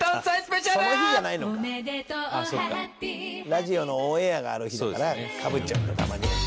ラジオのオンエアがある日だからかぶっちゃうんだたまに。